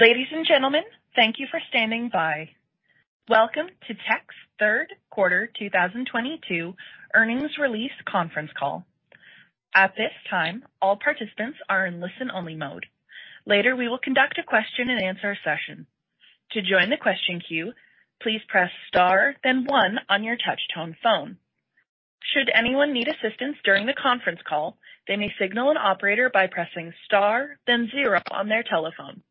Ladies and gentlemen, thank you for standing by. Welcome to Teck's Third Quarter 2022 Earnings Release Conference Call. At this time, all participants are in listen-only mode. Later, we will conduct a question-and-answer session. To join the question queue, please press Star, then one on your touchtone phone. Should anyone need assistance during the conference call, they may signal an operator by pressing star, then zero on their telephone.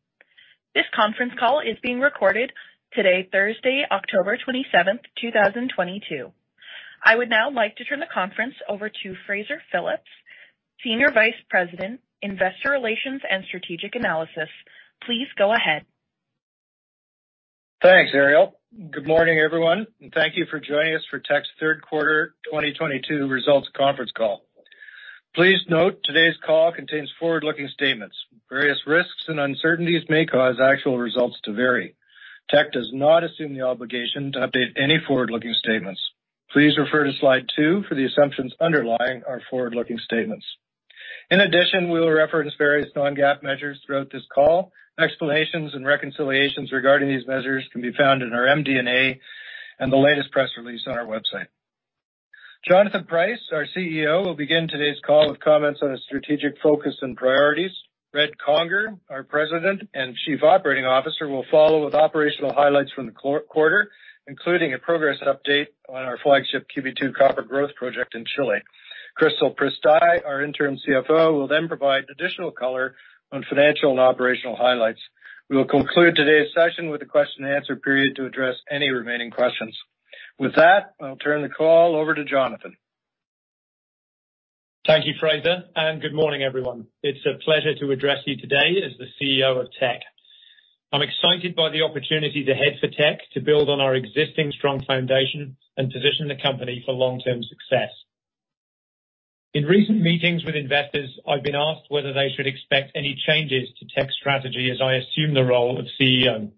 This conference call is being recorded today, Thursday, October 27th, 2022. I would now like to turn the conference over to Fraser Phillips, Senior Vice President, Investor Relations and Strategic Analysis. Please go ahead. Thanks, Ariel. Good morning, everyone. Thank you for joining us for Teck's Third Quarter 2022 Results Conference Call. Please note today's call contains forward-looking statements. Various risks and uncertainties may cause actual results to vary. Teck does not assume the obligation to update any forward-looking statements. Please refer to slide two for the assumptions underlying our forward-looking statements. In addition, we will reference various non-GAAP measures throughout this call. Explanations and reconciliations regarding these measures can be found in our MD&A and the latest press release on our website. Jonathan Price, our CEO, will begin today's call with comments on his strategic focus and priorities. Red Conger, our President and Chief Operating Officer, will follow with operational highlights from the quarter, including a progress update on our flagship QB2 copper growth project in Chile. Crystal Prystai, our Interim CFO, will then provide additional color on financial and operational highlights. We will conclude today's session with a question and answer period to address any remaining questions. With that, I'll turn the call over to Jonathan. Thank you, Fraser, and good morning, everyone. It's a pleasure to address you today as the CEO of Teck. I'm excited by the opportunity to head for Teck to build on our existing strong foundation and position the company for long-term success. In recent meetings with investors, I've been asked whether they should expect any changes to Teck's strategy as I assume the role of CEO.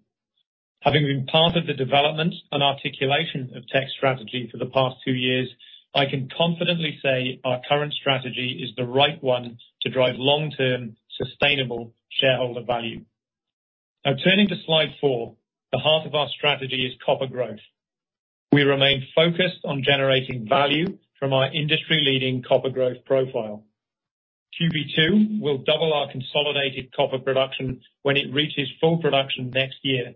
Having been part of the development and articulation of Teck's strategy for the past two years, I can confidently say our current strategy is the right one to drive long-term sustainable shareholder value. Now turning to slide four, the heart of our strategy is copper growth. We remain focused on generating value from our industry-leading copper growth profile. QB2 will double our consolidated copper production when it reaches full production next year,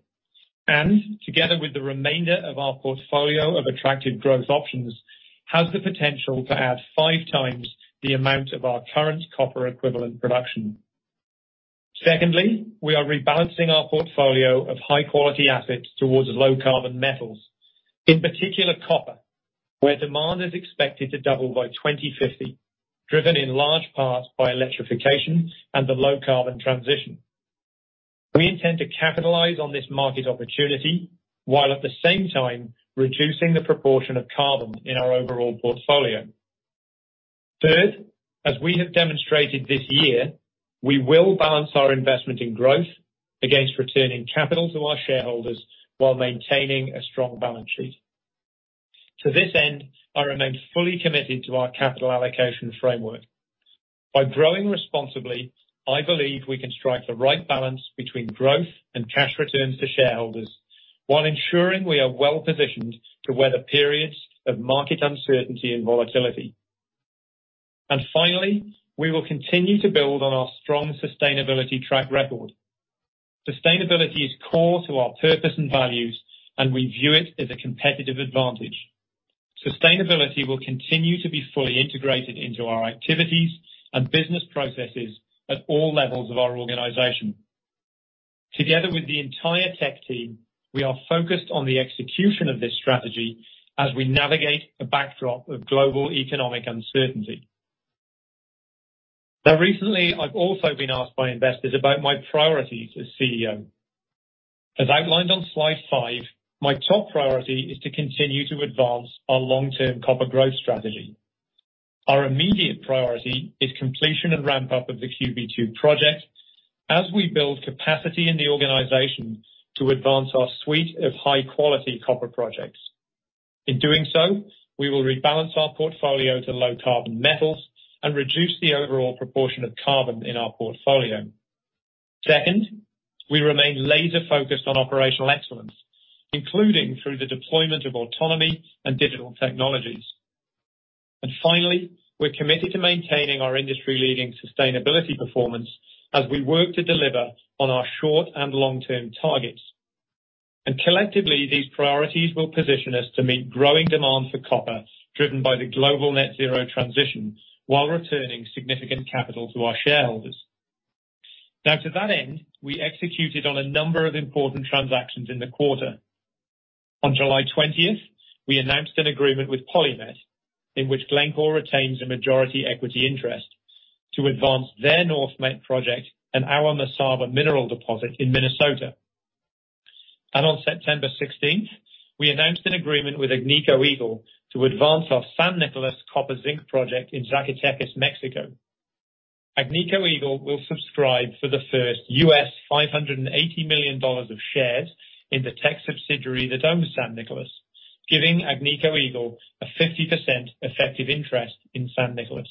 and together with the remainder of our portfolio of attractive growth options, has the potential to add 5x the amount of our current copper equivalent production. Secondly, we are rebalancing our portfolio of high-quality assets towards low carbon metals, in particular copper, where demand is expected to double by 2050, driven in large part by electrification and the low carbon transition. We intend to capitalize on this market opportunity while at the same time reducing the proportion of carbon in our overall portfolio. Third, as we have demonstrated this year, we will balance our investment in growth against returning capital to our shareholders while maintaining a strong balance sheet. To this end, I remain fully committed to our capital allocation framework. By growing responsibly, I believe we can strike the right balance between growth and cash returns to shareholders while ensuring we are well-positioned to weather periods of market uncertainty and volatility. Finally, we will continue to build on our strong sustainability track record. Sustainability is core to our purpose and values, and we view it as a competitive advantage. Sustainability will continue to be fully integrated into our activities and business processes at all levels of our organization. Together with the entire Teck team, we are focused on the execution of this strategy as we navigate a backdrop of global economic uncertainty. Now recently, I've also been asked by investors about my priorities as CEO. As outlined on slide five, my top priority is to continue to advance our long-term copper growth strategy. Our immediate priority is completion and ramp-up of the QB2 project as we build capacity in the organization to advance our suite of high-quality copper projects. In doing so, we will rebalance our portfolio to low carbon metals and reduce the overall proportion of carbon in our portfolio. Second, we remain laser-focused on operational excellence, including through the deployment of autonomy and digital technologies. Finally, we're committed to maintaining our industry-leading sustainability performance as we work to deliver on our short and long-term targets. Collectively, these priorities will position us to meet growing demand for copper driven by the global net zero transition while returning significant capital to our shareholders. Now to that end, we executed on a number of important transactions in the quarter. On July 20, we announced an agreement with PolyMet, in which Glencore retains a majority equity interest to advance their NorthMet project and our Mesaba mineral deposit in Minnesota. On September 16, we announced an agreement with Agnico Eagle to advance our San Nicolás copper zinc project in Zacatecas, Mexico. Agnico Eagle will subscribe for the first $580 million of shares in the Teck subsidiary that owns San Nicolás. giving Agnico Eagle a 50% effective interest in San Nicolás.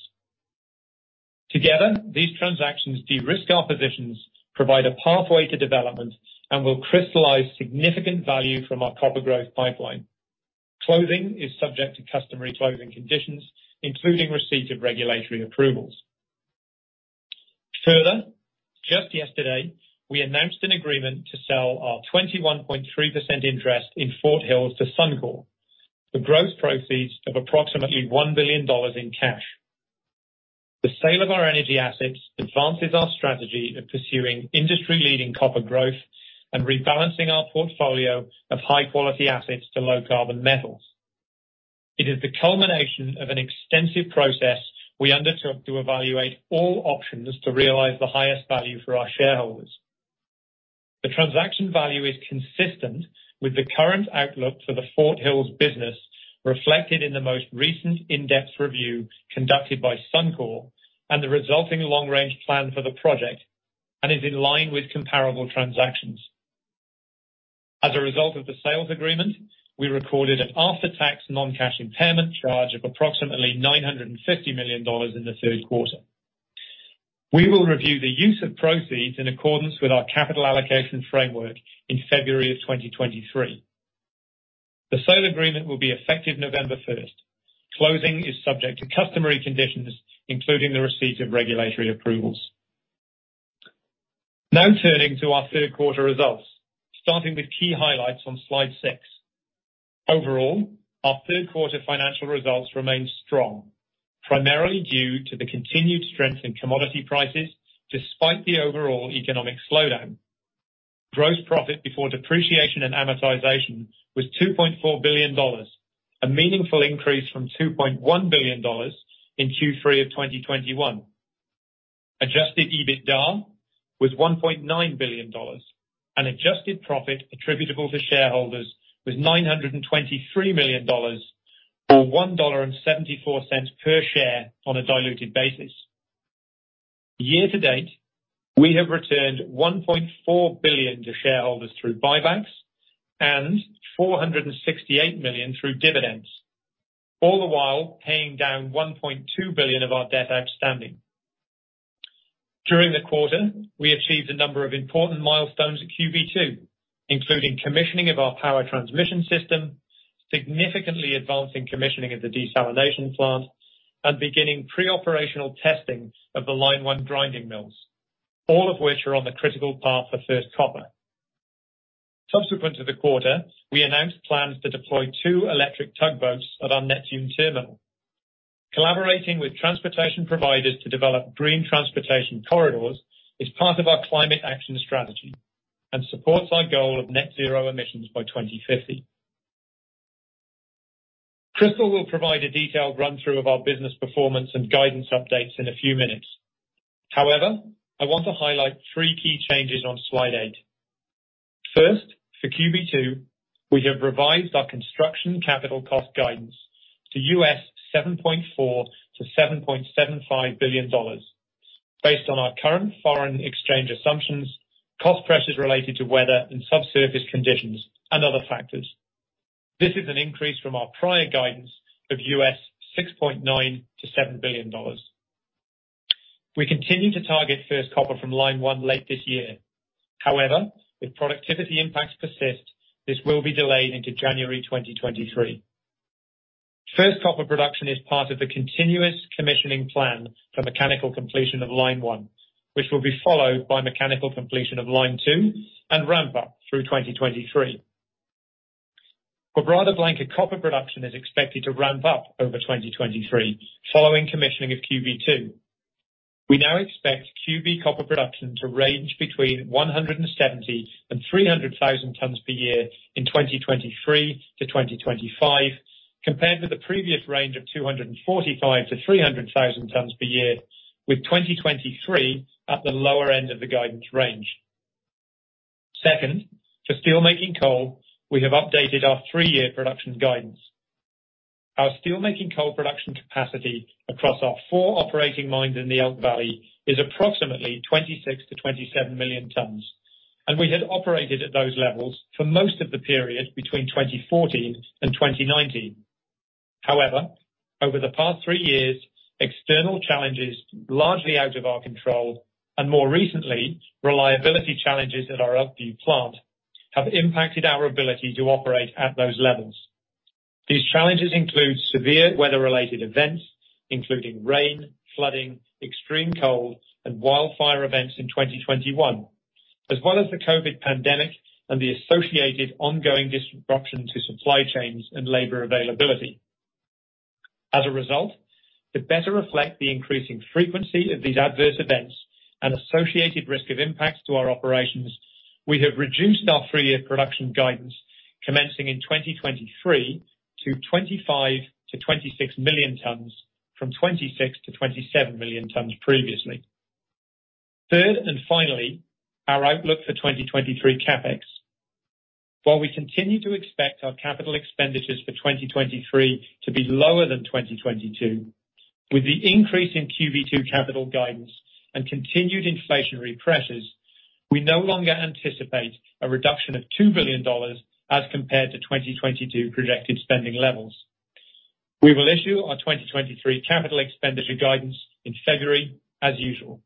Together, these transactions de-risk our positions, provide a pathway to development, and will crystallize significant value from our Copper Growth Pipeline. Closing is subject to customary closing conditions, including receipt of regulatory approvals. Further, just yesterday, we announced an agreement to sell our 21.3% interest in Fort Hills to Suncor, for gross proceeds of approximately 1 billion dollars in cash. The sale of our energy assets advances our strategy of pursuing industry-leading copper growth and rebalancing our portfolio of high-quality assets to low carbon metals. It is the culmination of an extensive process we undertook to evaluate all options to realize the highest value for our shareholders. The transaction value is consistent with the current outlook for the Fort Hills business, reflected in the most recent in-depth review conducted by Suncor and the resulting long-range plan for the project, and is in line with comparable transactions. As a result of the sales agreement, we recorded an after-tax non-cash impairment charge of approximately $950 million in the third quarter. We will review the use of proceeds in accordance with our capital allocation framework in February 2023. The sale agreement will be effective November first. Closing is subject to customary conditions, including the receipt of regulatory approvals. Now turning to our third quarter results, starting with key highlights on slide six. Overall, our third quarter financial results remain strong, primarily due to the continued strength in commodity prices despite the overall economic slowdown. Gross Profit before depreciation and amortization was $2.4 billion, a meaningful increase from $2.1 billion in Q3 of 2021. Adjusted EBITDA was $1.9 billion, and Adjusted profit attributable to shareholders was $923 million or 1.74 per share on a diluted basis. Year-to-date, we have returned $1.4 billion to shareholders through buybacks and $468 million through dividends, all the while paying down $1.2 billion of our debt outstanding. During the quarter, we achieved a number of important milestones at QB2, including commissioning of our power transmission system, significantly advancing commissioning of the desalination plant, and beginning pre-operational testing of the line one grinding mills, all of which are on the critical path for first copper. Subsequent to the quarter, we announced plans to deploy two electric tugboats at our Neptune Terminal. Collaborating with transportation providers to develop green transportation corridors is part of our climate action strategy and supports our goal of net zero emissions by 2050. Crystal will provide a detailed run-through of our business performance and guidance updates in a few minutes. However, I want to highlight three key changes on slide eight. First, for QB2, we have revised our construction capital cost guidance to $7.4 billion-7.75 billion based on our current foreign exchange assumptions, cost pressures related to weather and subsurface conditions, and other factors. This is an increase from our prior guidance of $6.9 billion-7 billion. We continue to target first copper from line one late this year. However, if productivity impacts persist, this will be delayed into January 2023. First copper production is part of the continuous commissioning plan for mechanical completion of line one, which will be followed by mechanical completion of line two and ramp up through 2023. The broader Quebrada Blanca copper production is expected to ramp up over 2023 following commissioning of QB2. We now expect QB copper production to range between 170,000-300,000 tons per year in 2023-2025, compared to the previous range of 245,000-300,000 tons per year, with 2023 at the lower end of the guidance range. Second, for steelmaking coal, we have updated our three-year production guidance. Our steelmaking coal production capacity across our four operating mines in the Elk Valley is approximately 26 million-27 million tons, and we had operated at those levels for most of the period between 2014 and 2019. However, over the past three years, external challenges, largely out of our control, and more recently, reliability challenges at our Elkview Plant, have impacted our ability to operate at those levels. These challenges include severe weather-related events, including rain, flooding, extreme cold, and wildfire events in 2021, as well as the COVID-19 pandemic and the associated ongoing disruption to supply chains and labor availability. As a result, to better reflect the increasing frequency of these adverse events and associated risk of impacts to our operations, we have reduced our three-year production guidance commencing in 2023 to 25 million-26 million tons from 26 million-27 million tons previously. Third, and finally, our outlook for 2023 CapEx. While we continue to expect our capital expenditures for 2023 to be lower than 2022, with the increase in QB2 capital guidance and continued inflationary pressures, we no longer anticipate a reduction of $2 billion as compared to 2022 projected spending levels. We will issue our 2023 capital expenditure guidance in February as usual.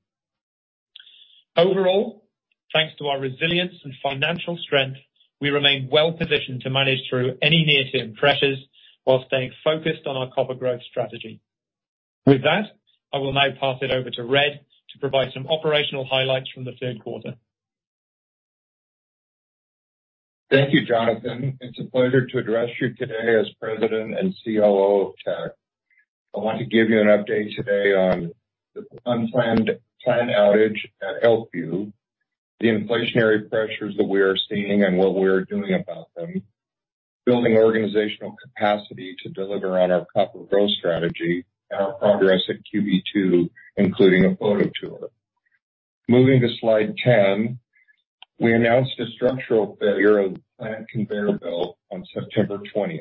Overall, thanks to our resilience and financial strength, we remain well-positioned to manage through any near-term pressures while staying focused on our copper growth strategy. With that, I will now pass it over to Red to provide some operational highlights from the third quarter. Thank you, Jonathan. It's a pleasure to address you today as President and COO of Teck. I want to give you an update today on the unplanned plant outage at Elkview, the inflationary pressures that we are seeing and what we are doing about them, building organizational capacity to deliver on our copper growth strategy and our progress at QB2, including a photo tour. Moving to slide 10, we announced a structural failure of the plant conveyor belt on September 20th.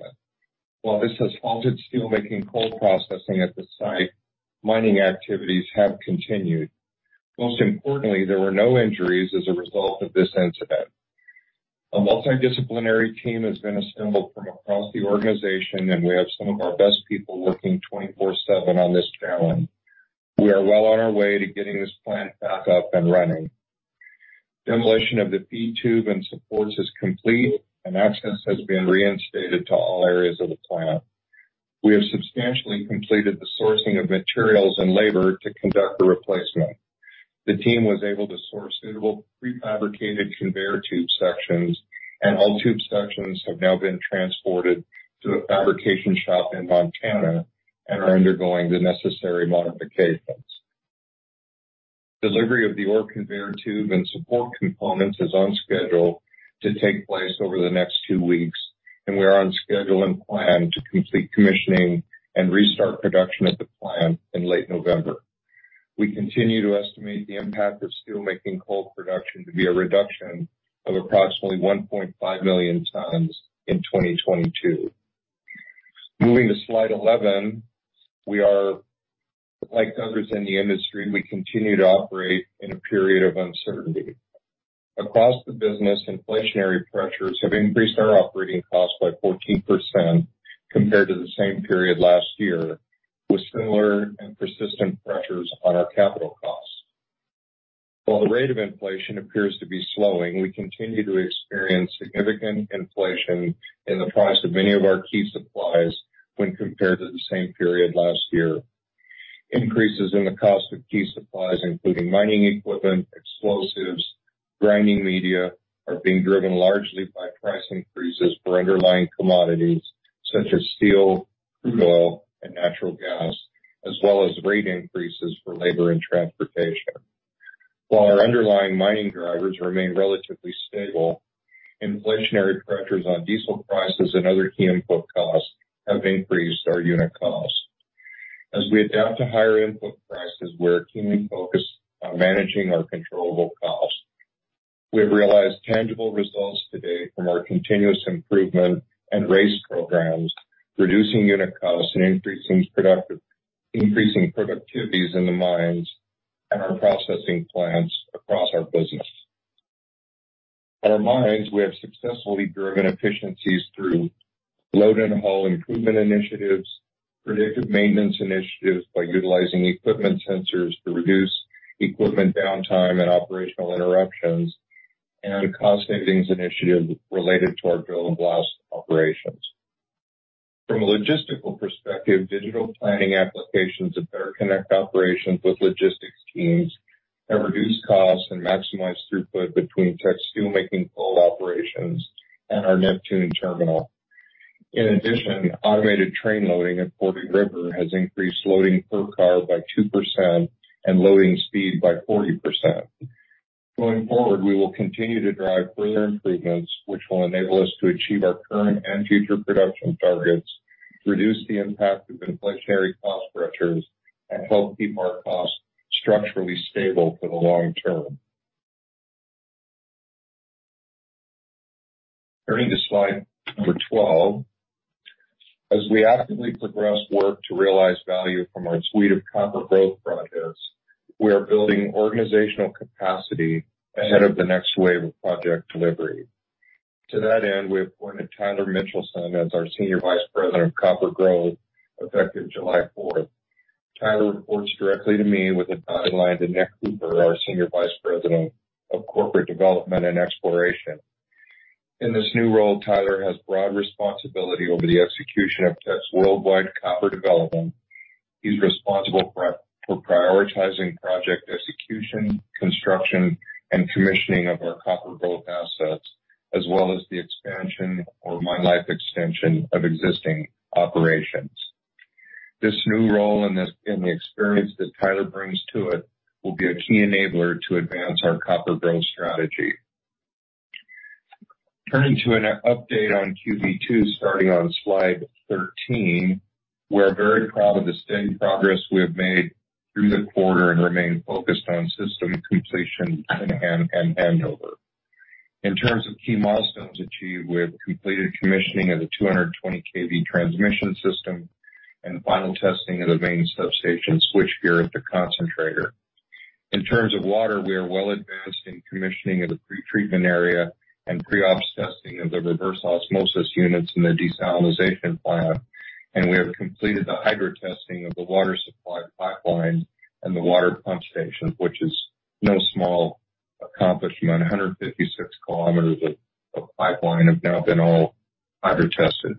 While this has halted steelmaking coal processing at the site, mining activities have continued. Most importantly, there were no injuries as a result of this incident. A multidisciplinary team has been assembled from across the organization, and we have some of our best people working 24/7 on this challenge. We are well on our way to getting this plant back up and running. Demolition of the feed tube and supports is complete, and access has been reinstated to all areas of the plant. We have substantially completed the sourcing of materials and labor to conduct a replacement. The team was able to source suitable prefabricated conveyor tube sections, and all tube sections have now been transported to a fabrication shop in Montana and are undergoing the necessary modifications. Delivery of the ore conveyor tube and support components is on schedule to take place over the next two weeks, and we are on schedule and plan to complete commissioning and restart production at the plant in late November. We continue to estimate the impact of steelmaking coal production to be a reduction of approximately 1.5 million tons in 2022. Moving to slide 11, we are like others in the industry, we continue to operate in a period of uncertainty. Across the business, inflationary pressures have increased our operating costs by 14% compared to the same period last year, with similar and persistent pressures on our capital costs. While the rate of inflation appears to be slowing, we continue to experience significant inflation in the price of many of our key supplies when compared to the same period last year. Increases in the cost of key supplies, including mining equipment, explosives, grinding media, are being driven largely by price increases for underlying commodities such as steel, crude oil, and natural gas, as well as rate increases for labor and transportation. While our underlying mining drivers remain relatively stable, inflationary pressures on diesel prices and other key input costs have increased our unit costs. As we adapt to higher input prices, we're keenly focused on managing our controllable costs. We have realized tangible results to date from our continuous improvement and RACE programs, reducing unit costs and increasing productivities in the mines and our processing plants across our business. At our mines, we have successfully driven efficiencies through load and haul improvement initiatives, predictive maintenance initiatives by utilizing equipment sensors to reduce equipment downtime and operational interruptions, and cost savings initiatives related to our drill and blast operations. From a logistical perspective, digital planning applications that better connect operations with logistics teams have reduced costs and maximized throughput between Teck's steelmaking coal operations and our Neptune Terminal. In addition, automated train loading at Fording River has increased loading per car by 2% and loading speed by 40%. Going forward, we will continue to drive further improvements, which will enable us to achieve our current and future production targets, reduce the impact of inflationary cost structures, and help keep our costs structurally stable for the long term. Turning to slide number 12. As we actively progress work to realize value from our suite of copper growth projects, we are building organizational capacity ahead of the next wave of project delivery. To that end, we appointed Tyler Mitchelson as our Senior Vice President of Copper Growth, effective July fourth. Tyler reports directly to me with a dotted line to Nicholas Hooper, our Senior Vice President of Corporate Development and Exploration. In this new role, Tyler has broad responsibility over the execution of Teck's worldwide copper development. He's responsible for prioritizing project execution, construction, and commissioning of our copper growth assets, as well as the expansion or mine life extension of existing operations. This new role and the experience that Tyler brings to it will be a key enabler to advance our copper growth strategy. Turning to an update on QB2 starting on slide 13. We're very proud of the steady progress we have made through the quarter and remain focused on system completion and handover. In terms of key milestones achieved, we have completed commissioning of the 220 KV transmission system and the final testing of the main substation switchgear at the concentrator. In terms of water, we are well advanced in commissioning of the pre-treatment area and pre-ops testing of the reverse osmosis units in the desalination plant. We have completed the hydro testing of the water supply pipeline and the water pump station, which is no small accomplishment. 156 km of pipeline have now been all hydro-tested.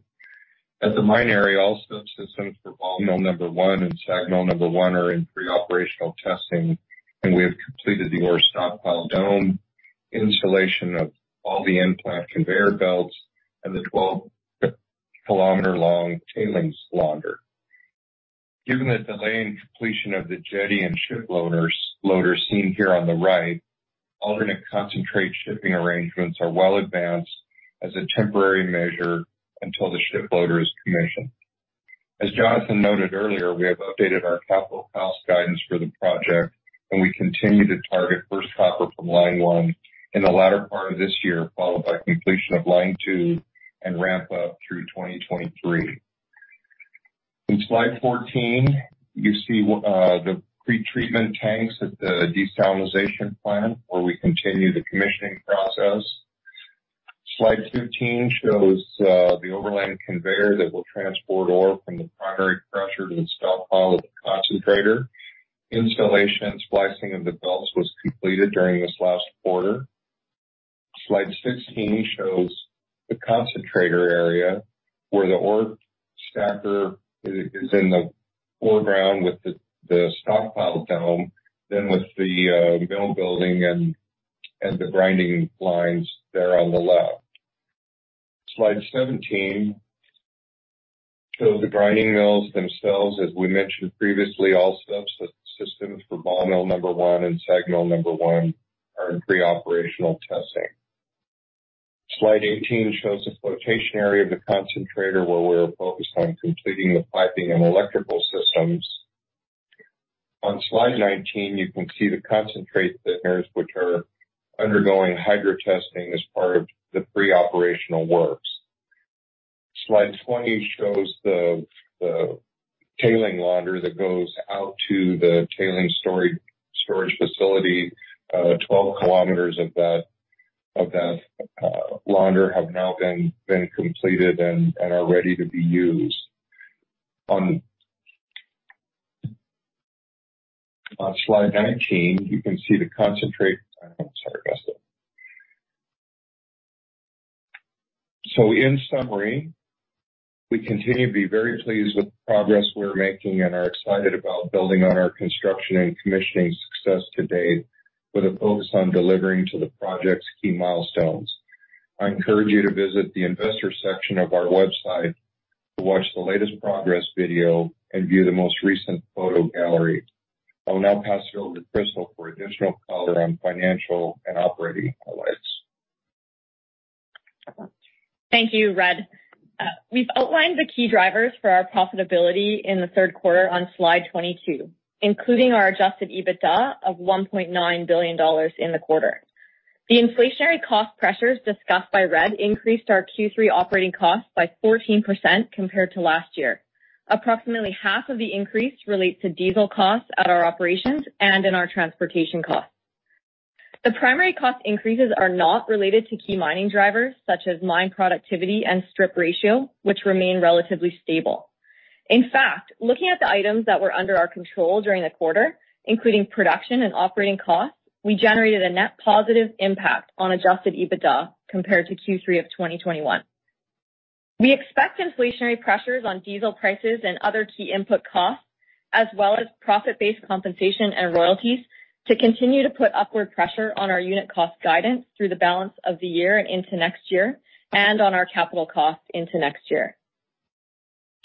At the mine area, all subsystems for ball mill number one and SAG mill number one are in pre-operational testing, and we have completed the ore stockpile dome, installation of all the in-plant conveyor belts, and the 12-km-long tailings launder. Given the delay in completion of the jetty and ship loaders seen here on the right, alternate concentrate shipping arrangements are well advanced as a temporary measure until the ship loader is commissioned. As Jonathan noted earlier, we have updated our capital cost guidance for the project, and we continue to target first copper from line 1 in the latter part of this year, followed by completion of line two and ramp up through 2023. In Slide 14, you see the pretreatment tanks at the desalination plant where we continue the commissioning process. Slide 15 shows the overland conveyor that will transport ore from the primary crusher to the stockpile of the concentrator. Installation and splicing of the belts was completed during this last quarter. Slide 16 shows the concentrator area where the ore stacker is in the foreground with the stockpile dome, then with the mill building and the grinding lines there on the left. Slide 17 shows the grinding mills themselves. As we mentioned previously, all subsystems for ball mill number one and SAG mill number one are in pre-operational testing. Slide 18 shows the flotation area of the concentrator, where we're focused on completing the piping and electrical systems. On slide 19, you can see the concentrate thickeners which are undergoing hydro testing as part of the pre-operational works. Slide 20 shows the tailings launder that goes out to the tailings storage facility. 12 kilometers of that launder have now been completed and are ready to be used. On slide 19, you can see the concentrate. I'm sorry, Crystal. In summary, we continue to be very pleased with the progress we're making and are excited about building on our construction and commissioning success to date with a focus on delivering to the project's key milestones. I encourage you to visit the investor section of our website to watch the latest progress video and view the most recent photo gallery. I'll now pass it over to Crystal for additional color on financial and operating highlights. Thank you, Red. We've outlined the key drivers for our profitability in the third quarter on slide 22, including our Adjusted EBITDA of $1.9 billion in the quarter. The inflationary cost pressures discussed by Red increased our Q3 operating costs by 14% compared to last year. Approximately half of the increase relates to diesel costs at our operations and in our transportation costs. The primary cost increases are not related to key mining drivers such as mine productivity and strip ratio, which remain relatively stable. In fact, looking at the items that were under our control during the quarter, including production and operating costs, we generated a net positive impact on Adjusted EBITDA compared to Q3 of 2021. We expect inflationary pressures on diesel prices and other key input costs, as well as profit-based compensation and royalties, to continue to put upward pressure on our unit cost guidance through the balance of the year and into next year, and on our capital costs into next year.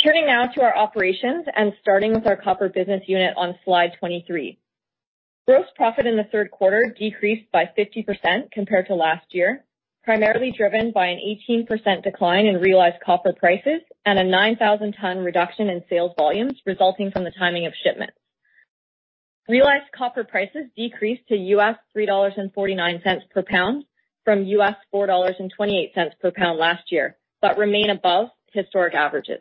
Turning now to our operations and starting with our copper business unit on slide 23. Gross Profit in the third quarter decreased by 50% compared to last year, primarily driven by an 18% decline in realized copper prices and a 9,000-ton reduction in sales volumes resulting from the timing of shipments. Realized copper prices decreased to $3.49 per pound from 4.28 per pound last year, but remain above historic averages.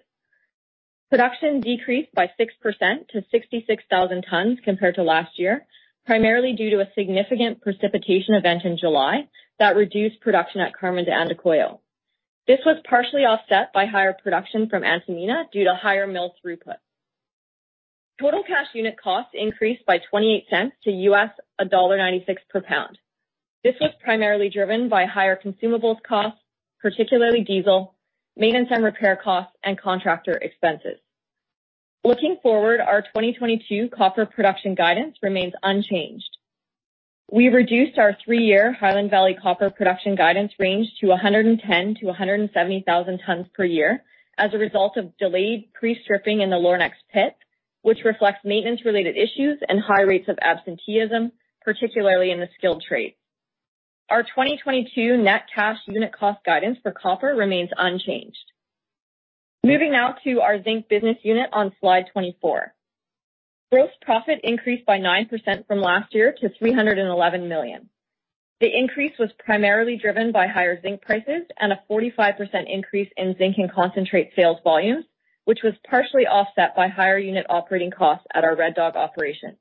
Production decreased by 6% to 66,000 tons compared to last year, primarily due to a significant precipitation event in July that reduced production at Carmen de Andacollo. This was partially offset by higher production from Antamina due to higher mill throughput. Total cash unit costs increased by $0.28 to 1.96 per pound. This was primarily driven by higher consumables costs, particularly diesel, maintenance and repair costs, and contractor expenses. Looking forward, our 2022 copper production guidance remains unchanged. We reduced our three-year Highland Valley copper production guidance range to 110,000-170,000 tons per year as a result of delayed pre-stripping in the Lornex pit, which reflects maintenance-related issues and high rates of absenteeism, particularly in the skilled trade. Our 2022 net cash unit cost guidance for copper remains unchanged. Moving now to our Zinc Business Unit on slide 24. Gross Profit increased by 9% from last year to 311 million. The increase was primarily driven by higher zinc prices and a 45% increase in zinc and concentrate sales volumes, which was partially offset by higher unit operating costs at our Red Dog operation.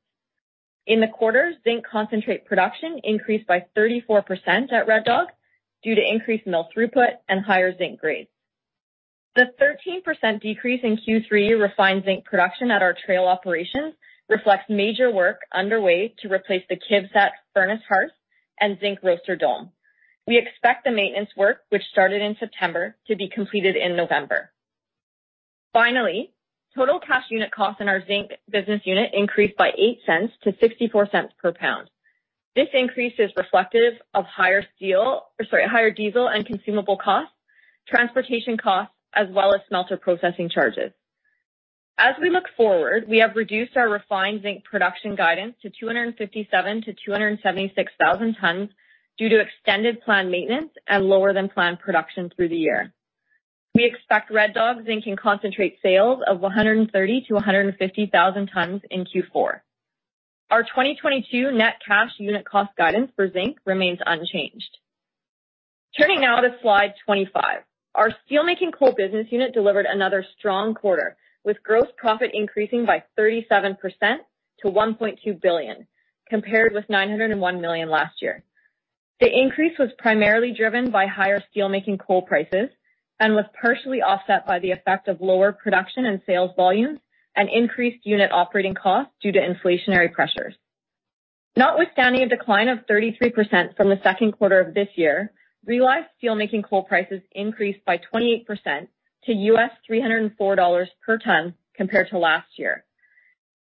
In the quarter, zinc concentrate production increased by 34% at Red Dog due to increased mill throughput and higher zinc grades. The 13% decrease in Q3 refined zinc production at our Trail operation reflects major work underway to replace the KIVCET furnace hearth and zinc roaster dome. We expect the maintenance work, which started in September, to be completed in November. Finally, total cash unit costs in our Zinc Business Unit increased by $0.08 to 0.64 per pound. This increase is reflective of higher diesel and consumable costs, transportation costs, as well as smelter processing charges. We look forward, we have reduced our refined zinc production guidance to 257,000-276,000 tons due to extended plant maintenance and lower-than-planned production through the year. We expect Red Dog zinc and concentrate sales of 130,000-150,000 tons in Q4. Our 2022 net cash unit cost guidance for zinc remains unchanged. Turning now to slide 25. Our Steelmaking Coal Business Unit delivered another strong quarter, with Gross Profit increasing by 37% to $1.2 billion, compared with 901 million last year. The increase was primarily driven by higher steelmaking coal prices and was partially offset by the effect of lower production and sales volumes and increased unit operating costs due to inflationary pressures. Notwithstanding a decline of 33% from the second quarter of this year, realized steelmaking coal prices increased by 28% to $304 per ton compared to last year.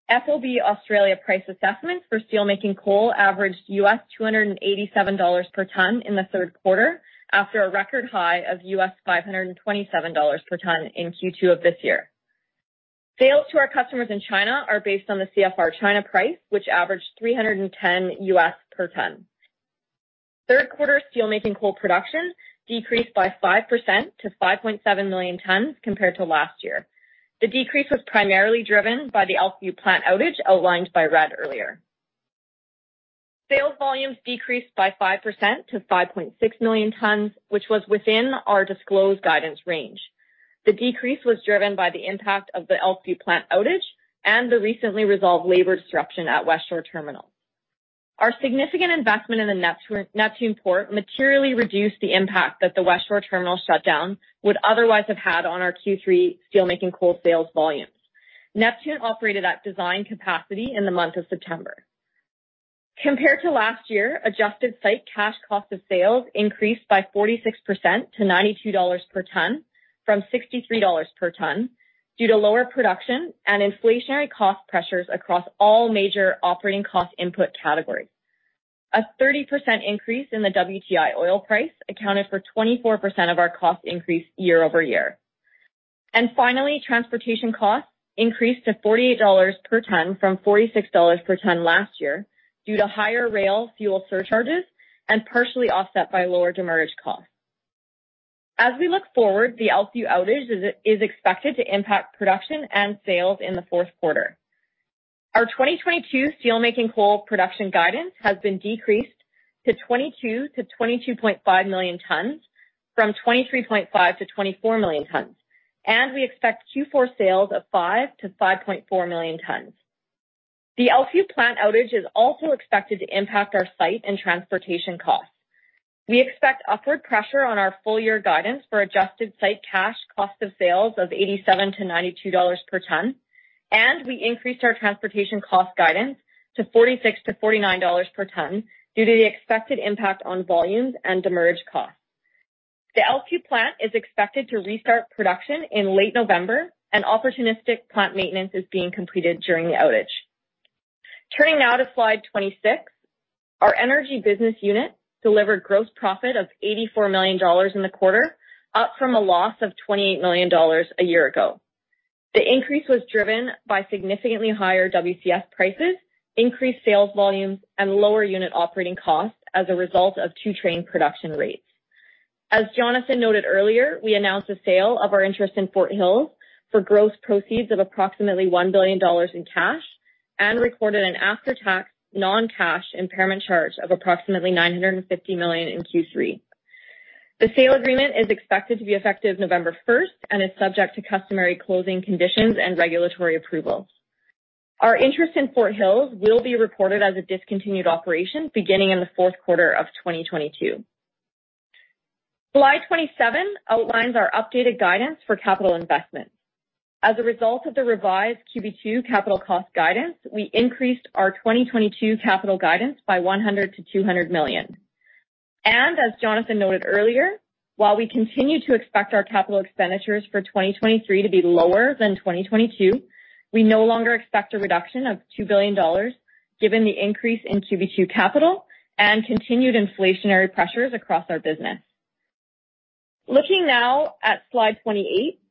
FOB Australia price assessments for steelmaking coal averaged $287 per ton in the third quarter after a record high of $527 per ton in Q2 of this year. Sales to our customers in China are based on the CFR China price, which averaged $310 per ton. Third quarter steelmaking coal production decreased by 5% to 5.7 million tons compared to last year. The decrease was primarily driven by the LPU plant outage outlined by Red earlier. Sales volumes decreased by 5% to 5.6 million tons, which was within our disclosed guidance range. The decrease was driven by the impact of the LPU plant outage and the recently resolved labor disruption at Westshore Terminals. Our significant investment in the Neptune port materially reduced the impact that the Westshore Terminals shutdown would otherwise have had on our Q3 steelmaking coal sales volumes. Neptune operated at design capacity in the month of September. Compared to last year, Adjusted site cash cost of sales increased by 46% to $92 per ton from 63 per ton due to lower production and inflationary cost pressures across all major operating cost input categories. A 30% increase in the WTI oil price accounted for 24% of our cost increase year-over-year. Finally, transportation costs increased to $48 per ton from 46 per ton last year due to higher rail fuel surcharges and partially offset by lower demurrage costs. As we look forward, the LPU outage is expected to impact production and sales in the fourth quarter. Our 2022 steelmaking coal production guidance has been decreased to 22 million-22.5 million tons from 23.5 million-24 million tons, and we expect Q4 sales of 5 million to 5.4 million tons. The LPU plant outage is also expected to impact our site and transportation costs. We expect upward pressure on our full year guidance for Adjusted site cash cost of sales of $87-92 per ton, and we increased our transportation cost guidance to $46-49 per ton due to the expected impact on volumes and demurrage costs. The LPU plant is expected to restart production in late November and opportunistic plant maintenance is being completed during the outage. Turning now to slide 26. Our Energy Business Unit delivered Gross Profit of $84 million in the quarter, up from a loss of $28 million a year ago. The increase was driven by significantly higher WCS prices, increased sales volumes, and lower unit operating costs as a result of two train production rates. As Jonathan noted earlier, we announced the sale of our interest in Fort Hills for gross proceeds of approximately 1 billion dollars in cash and recorded an after-tax non-cash impairment charge of approximately 950 million in Q3. The sale agreement is expected to be effective November first and is subject to customary closing conditions and regulatory approvals. Our interest in Fort Hills will be reported as a discontinued operation beginning in the fourth quarter of 2022. Slide 27 outlines our updated guidance for capital investment. As a result of the revised QB2 capital cost guidance, we increased our 2022 capital guidance by 100 million-200 million. As Jonathan noted earlier, while we continue to expect our capital expenditures for 2023 to be lower than 2022, we no longer expect a reduction of $2 billion given the increase in QB2 capital and continued inflationary pressures across our business. Looking now at slide 28,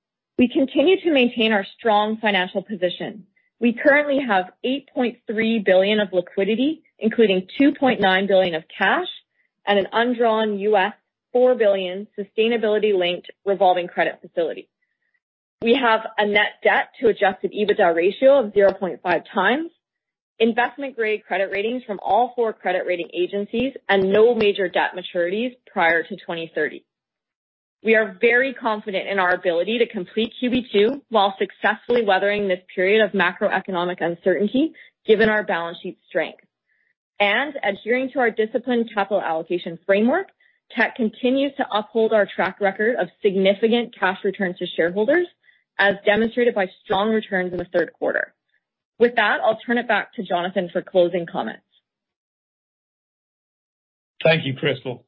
we continue to maintain our strong financial position. We currently have $8.3 billion of liquidity, including $2.9 billion of cash and an undrawn $4 billion sustainability-linked revolving credit facility. We have a net debt to Adjusted EBITDA ratio of 0.5x, investment-grade Credit Ratings from all four credit rating agencies, and no major debt maturities prior to 2030. We are very confident in our ability to complete QB2 while successfully weathering this period of macroeconomic uncertainty, given our balance sheet strength. Adhering to our disciplined capital allocation framework, Teck continues to uphold our track record of significant cash returns to shareholders, as demonstrated by strong returns in the third quarter. With that, I'll turn it back to Jonathan for closing comments. Thank you, Crystal.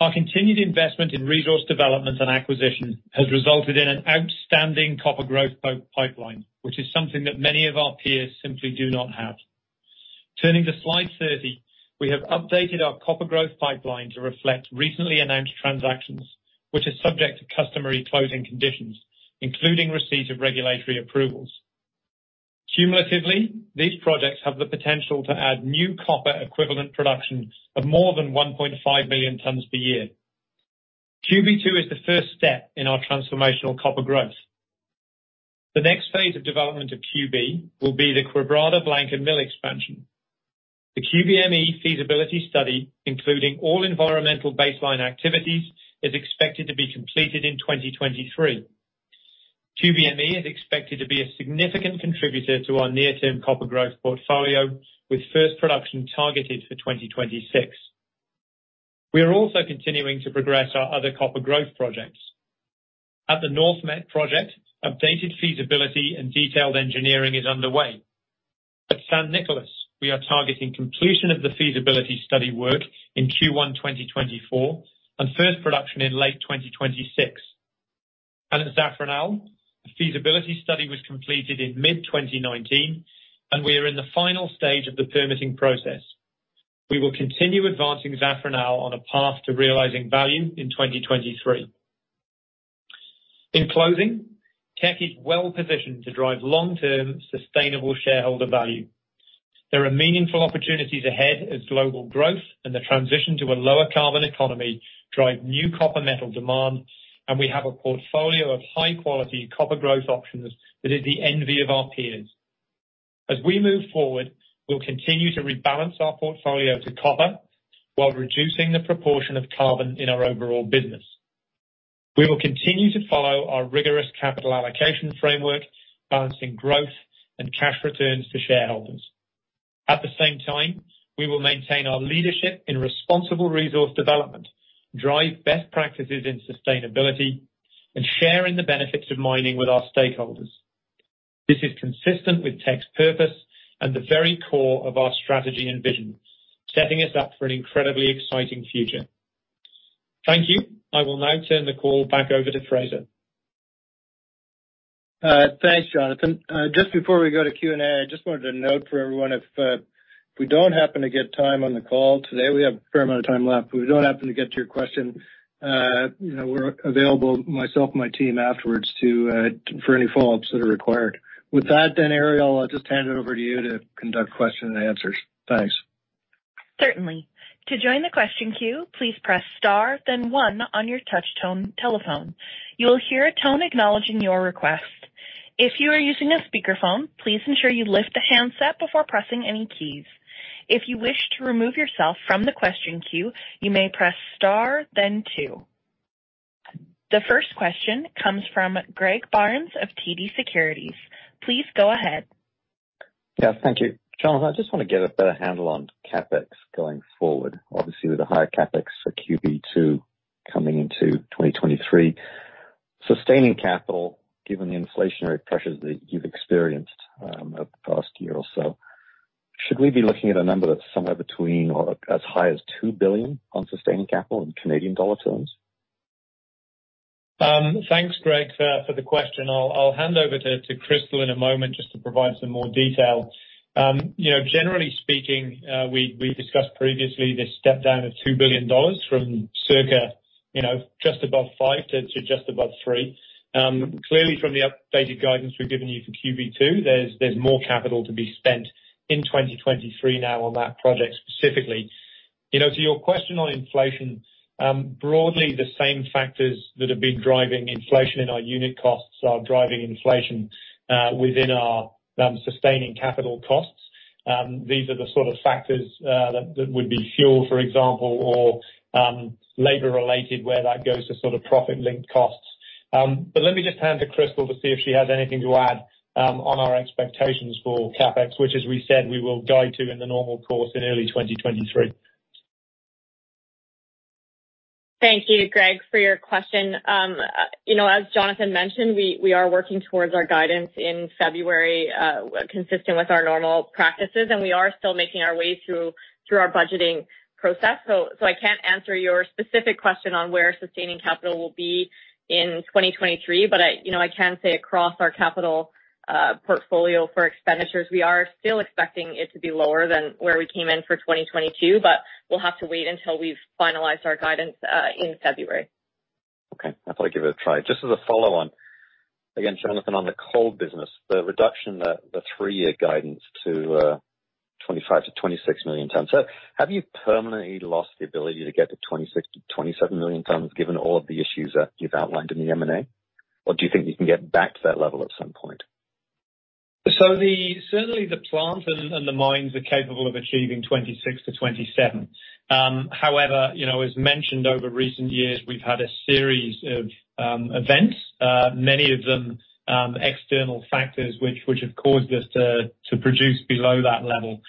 Our continued investment in resource development and acquisition has resulted in an outstanding Copper Growth Pipeline, which is something that many of our peers simply do not have. Turning to slide 30, we have updated our Copper Growth Pipeline to reflect recently announced transactions, which is subject to customary closing conditions, including receipt of regulatory approvals. Cumulatively, these projects have the potential to add new copper equivalent production of more than 1.5 billion tons per year. QB2 is the first step in our transformational copper growth. The next phase of development of QB will be the Quebrada Blanca Mill expansion. The QBME feasibility study, including all environmental baseline activities, is expected to be completed in 2023. QBME is expected to be a significant contributor to our near-term copper growth portfolio, with first production targeted for 2026. We are also continuing to progress our other copper growth projects. At the NorthMet project, updated feasibility and detailed engineering is underway. At San Nicolás, we are targeting completion of the feasibility study work in Q1 2024, and first production in late 2026. At Zafranal, the feasibility study was completed in mid-2019, and we are in the final stage of the permitting process. We will continue advancing Zafranal on a path to realizing value in 2023. In closing, Teck is well-positioned to drive long-term sustainable shareholder value. There are meaningful opportunities ahead as global growth and the transition to a lower carbon economy drive new copper metal demand, and we have a portfolio of high-quality copper growth options that is the envy of our peers. As we move forward, we'll continue to rebalance our portfolio to copper while reducing the proportion of carbon in our overall business. We will continue to follow our rigorous capital allocation framework, balancing growth and cash returns to shareholders. At the same time, we will maintain our leadership in responsible resource development, drive best practices in sustainability, and share in the benefits of mining with our stakeholders. This is consistent with Teck's purpose and the very core of our strategy and vision, setting us up for an incredibly exciting future. Thank you. I will now turn the call back over to Fraser. Thanks, Jonathan. Just before we go to Q&A, I just wanted to note for everyone if we don't happen to get time on the call today, we have a fair amount of time left, but we don't happen to get to your question, you know, we're available, myself and my team, afterwards to for any follow-ups that are required. With that, Ariel, I'll just hand it over to you to conduct questions and answers. Thanks. Certainly. To join the question queue, please press star then one on your touch tone telephone. You will hear a tone acknowledging your request. If you are using a speakerphone, please ensure you lift the handset before pressing any keys. If you wish to remove yourself from the question queue, you may press star then two. The first question comes from Greg Barnes of TD Securities. Please go ahead. Yes, thank you. Jonathan, I just wanna get a better handle on CapEx going forward, obviously with the higher CapEx for QB2 coming into 2023. Sustaining capital, given the inflationary pressures that you've experienced, over the past year or so, should we be looking at a number that's somewhere between or as high as 2 billion on sustaining capital in Canadian dollar terms? Thanks, Greg, for the question. I'll hand over to Crystal in a moment just to provide some more detail. You know, generally speaking, we discussed previously this step-down of 2 billion dollars from circa, you know, just above 5 billion to just above 3 billion. Clearly from the updated guidance we've given you for QB2, there's more capital to be spent in 2023 now on that project specifically. You know, to your question on inflation, broadly the same factors that have been driving inflation in our unit costs are driving inflation within our sustaining capital costs. These are the sort of factors that would be fuel, for example, or labor-related, where that goes to sort of profit-linked costs. Let me just hand to Crystal to see if she has anything to add on our expectations for CapEx, which as we said, we will guide to in the normal course in early 2023. Thank you, Greg, for your question. You know, as Jonathan mentioned, we are working towards our guidance in February, consistent with our normal practices, and we are still making our way through our budgeting process. I can't answer your specific question on where sustaining capital will be in 2023. I, you know, I can say across our capital portfolio for expenditures, we are still expecting it to be lower than where we came in for 2022, but we'll have to wait until we've finalized our guidance in February. Okay. I thought I'd give it a try. Just as a follow-on, again, Jonathan, on the coal business, the reduction, the three-year guidance to 25 million-26 million tons. Have you permanently lost the ability to get to 26 million-27 million tons given all of the issues that you've outlined in the MD&A? Or do you think you can get back to that level at some point? Certainly, the plant and the mines are capable of achieving 26 million-27 million. However, you know, as mentioned, over recent years, we've had a series of events, many of them external factors which have caused us to produce below that level.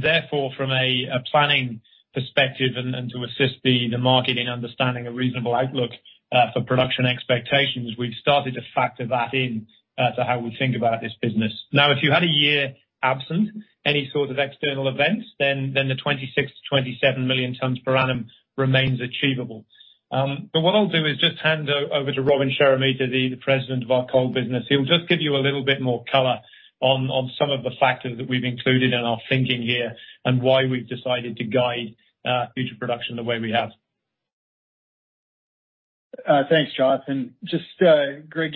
Therefore, from a planning perspective and to assist the market in understanding a reasonable outlook for production expectations, we've started to factor that in to how we think about this business. Now, if you had a year absent any sort of external events, then the 26 million-27 million tons per annum remains achievable. What I'll do is just hand over to Robin Sheremeta, President of our coal business. He'll just give you a little bit more color on some of the factors that we've included in our thinking here and why we've decided to guide future production the way we have. Thanks, Jonathan. Just, Greg,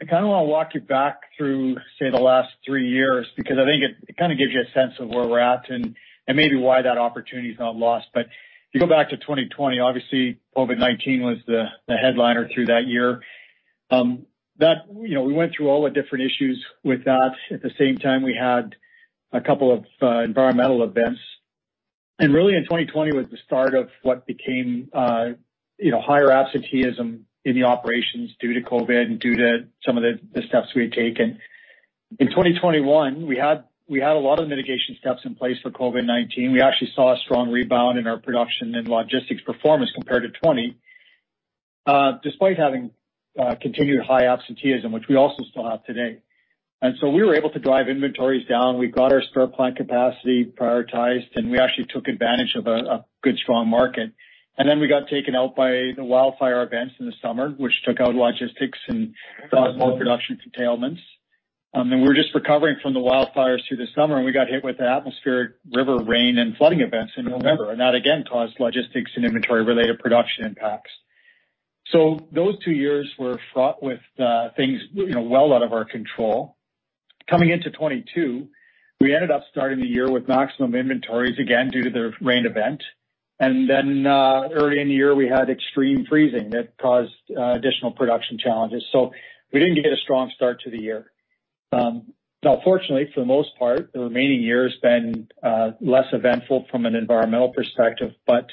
I kinda wanna walk you back through, say, the last three years, because I think it kinda gives you a sense of where we're at and maybe why that opportunity is not lost. If you go back to 2020, obviously COVID-19 was the headliner through that year. You know, we went through all the different issues with that. At the same time, we had a couple of environmental events. Really, in 2020 was the start of what became, you know, higher absenteeism in the operations due to COVID and due to some of the steps we had taken. In 2021, we had a lot of mitigation steps in place for COVID-19. We actually saw a strong rebound in our production and logistics performance compared to 2020, despite having continued high absenteeism, which we also still have today. We were able to drive inventories down. We got our steel plant capacity prioritized, and we actually took advantage of a good, strong market. We got taken out by the wildfire events in the summer, which took out logistics and caused more production curtailments. We were just recovering from the wildfires through the summer, and we got hit with the atmospheric river rain and flooding events in November, and that again caused logistics and inventory-related production impacts. Those two years were fraught with things, you know, well out of our control. Coming into 2022, we ended up starting the year with maximum inventories, again, due to the rain event. Early in the year, we had extreme freezing that caused additional production challenges. We didn't get a strong start to the year. Now, fortunately, for the most part, the remaining year has been less eventful from an environmental perspective, but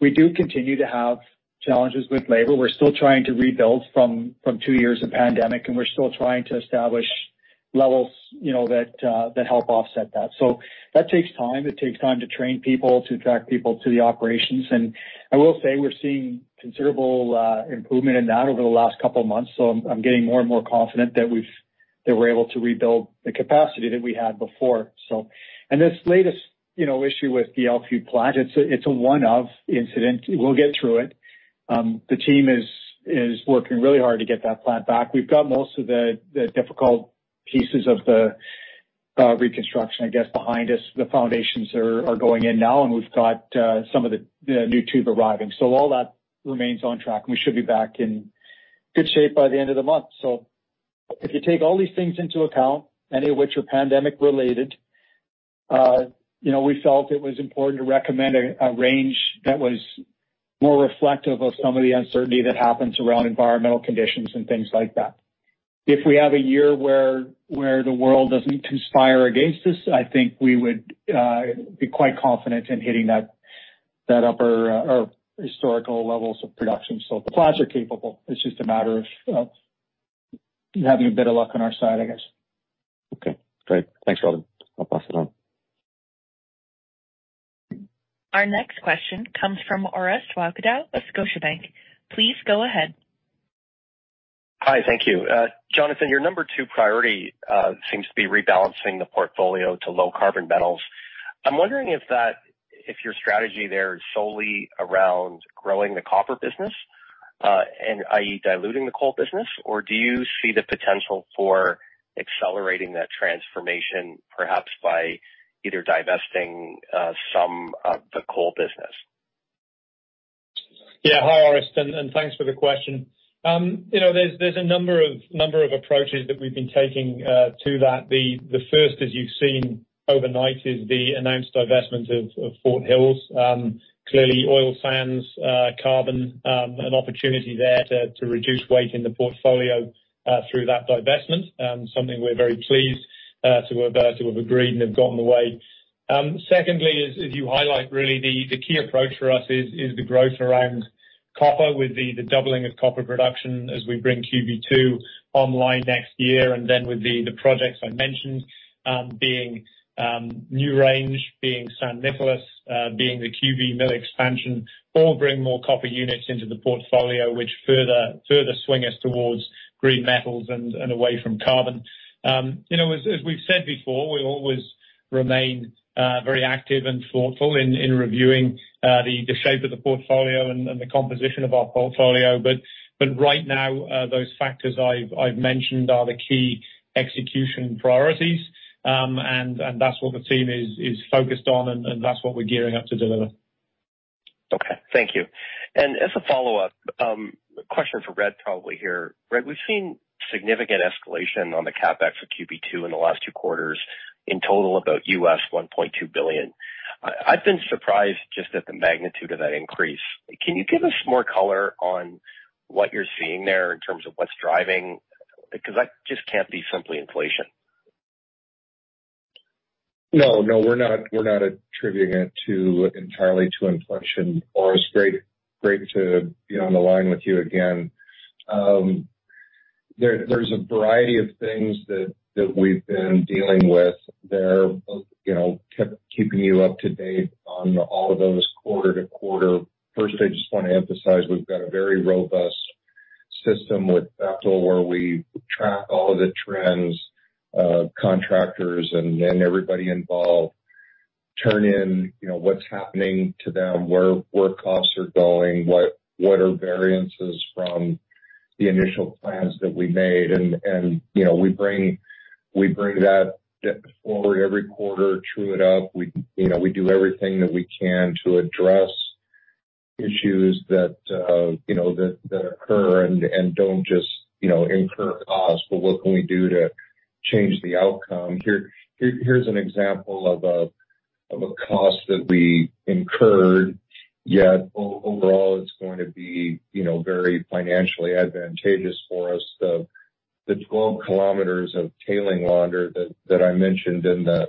we do continue to have challenges with labor. We're still trying to rebuild from two years of pandemic, and we're still trying to establish levels, you know, that that help offset that. That takes time. It takes time to train people, to attract people to the operations. I will say we're seeing considerable improvement in that over the last couple of months, so I'm getting more and more confident that we're able to rebuild the capacity that we had before. This latest, you know, issue with the Elkview Plant, it's a one-off incident. We'll get through it. The team is working really hard to get that plant back. We've got most of the difficult pieces of the reconstruction, I guess, behind us. The foundations are going in now and we've got some of the new tube arriving. All that remains on track, and we should be back in good shape by the end of the month. If you take all these things into account, any of which are pandemic-related, you know, we felt it was important to recommend a range that was more reflective of some of the uncertainty that happens around environmental conditions and things like that. If we have a year where the world doesn't conspire against us, I think we would be quite confident in hitting that upper or historical levels of production. The plants are capable. It's just a matter of having a bit of luck on our side, I guess. Okay, great. Thanks, Robin. I'll pass it on. Our next question comes from Orest Wowkodaw of Scotiabank. Please go ahead. Hi, thank you. Jonathan, your number two priority seems to be rebalancing the portfolio to low carbon metals. I'm wondering if your strategy there is solely around growing the copper business, and i.e., diluting the coal business, or do you see the potential for accelerating that transformation, perhaps by either divesting some of the coal business? Yeah. Hi, Orest, and thanks for the question. You know, there's a number of approaches that we've been taking to that. The first, as you've seen overnight, is the announced divestment of Fort Hills. Clearly oil sands carbon an opportunity there to reduce weight in the portfolio through that divestment, something we're very pleased to have agreed and have gotten away. Secondly, as you highlight, really the key approach for us is the growth around copper with the doubling of copper production as we bring QB2 online next year. With the projects I mentioned, being NewRange, being San Nicolás, being the QBME, all bring more copper units into the portfolio, which further swing us towards green metals and away from carbon. You know, as we've said before, we always remain very active and thoughtful in reviewing the shape of the portfolio and the composition of our portfolio. Right now, those factors I've mentioned are the key execution priorities. That's what the team is focused on, and that's what we're gearing up to deliver. Thank you. As a follow-up question for Red probably here. Red, we've seen significant escalation on the CapEx for QB2 in the last two quarters. In total, about $1.2 billion. I've been surprised just at the magnitude of that increase. Can you give us more color on what you're seeing there in terms of what's driving? Because that just can't be simply inflation. No, we're not attributing it entirely to inflation. Boris, great to be on the line with you again. There's a variety of things that we've been dealing with there. You know, keeping you up to date on all of those quarter-to-quarter. First, I just wanna emphasize we've got a very robust system with Bechtel, where we track all of the trends, contractors and everybody involved turn in, you know, what's happening to them, where costs are going, what are variances from the initial plans that we made. You know, we bring that forward every quarter, true it up. We, you know, we do everything that we can to address issues that you know, that occur and don't just, you know, incur costs, but what can we do to change the outcome. Here, here's an example of a cost that we incurred, yet overall it's going to be, you know, very financially advantageous for us. The 12 kilometers of tailings launder that I mentioned in the